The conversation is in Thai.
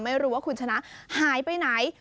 ไม่รู้ว่าคุณชนะหายไปไหน